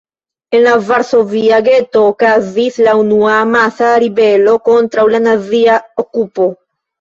En la varsovia geto okazis la unua amasa ribelo kontraŭ la nazia okupo.